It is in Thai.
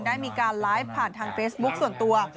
ได้มีการไลฟ์ผ่านทางเฟซบุ๊คส่วนตัว